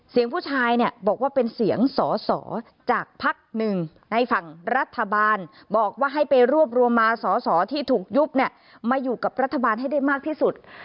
เสียงผู้ชายเนี่ยบอกว่าเป็นเสียงสอสอจากภักดิ์หนึ่งในฝั่งรัฐบาลบอกว่าให้ไปรวบรวมมาสอสอที่ถูกยุบเนี่ยมาอยู่กับรัฐบาลให้ได้มากที่สุด